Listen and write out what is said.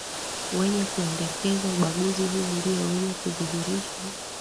Wenye kuendekeza ubaguzi huu ndiyo wenye kudhihirisha